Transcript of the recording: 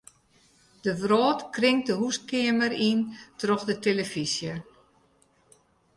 De wrâld kringt de húskeamer yn troch de telefyzje.